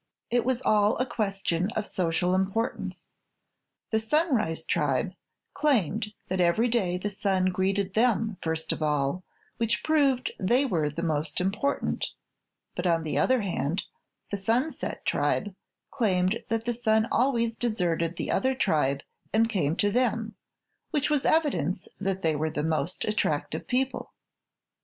It was all a question of social importance. The Sunrise Tribe claimed that every day the sun greeted them first of all, which proved they were the most important; but, on the other hand, the Sunset Tribe claimed that the sun always deserted the other tribe and came to them, which was evidence that they were the most attractive people.